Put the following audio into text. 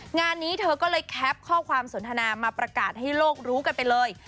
งานนี้เธอก็เลยแคปข้อความสนทนามาประกาศให้โลกรู้กันไปเลย